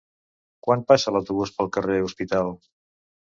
Quan passa l'autobús pel carrer Hospital?